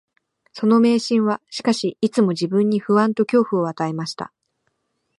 その迷信は、しかし、いつも自分に不安と恐怖を与えました